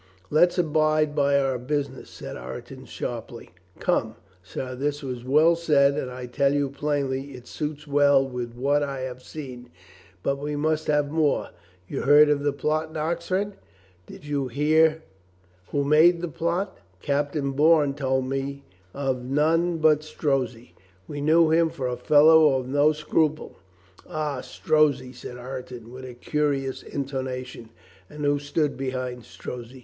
"Let's abide by our business," said Ireton sharply. "Come, sir, this was well said and I tell you plainly it suits well with what I have seen. But we must have more. You heard of the plot in Oxford. Did you hear who made the plot?" "Captain Bourne told me of none but Strozzi. We knew him for a fellow of no scruple." "Ah, Strozzi," said Ireton, with a curious intona tion, "and who stood behind Strozzi?"